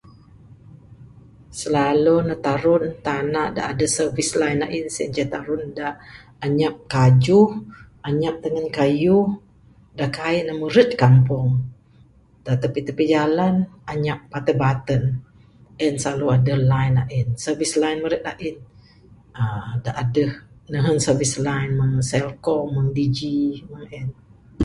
Silalu nuh tarun tana da adeh servis line sien inceh tarun da anyap kajuh, anyap tengen kayuh da kaii nuh meret kampung. Da tepi-tepi jalan anyap adeh baten-baten en silalu adeh line ain. Servis line meret ain aaa da adeh nehen servis line mung celcom, digi mung en.